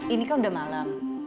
ini kan udah malam